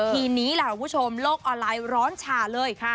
ทีนี้ล่ะคุณผู้ชมโลกออนไลน์ร้อนฉ่าเลย